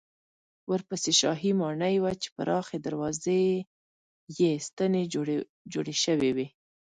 ورپسې شاهي ماڼۍ وه چې پراخې دروازې یې ستنې جوړې شوې وې.